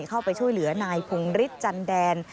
เข้าไปช่วยเหลือนายพงฤทธิ์จันแดน